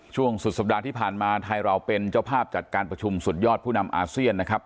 สุดสัปดาห์ที่ผ่านมาไทยเราเป็นเจ้าภาพจัดการประชุมสุดยอดผู้นำอาเซียนนะครับ